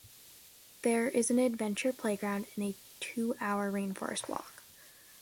There is an adventure playground and a two-hour rainforest walk.